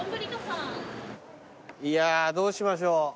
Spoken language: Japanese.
いやーどうしましょう。